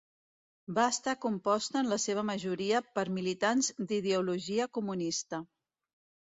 Va estar composta en la seva majoria per militants d'ideologia comunista.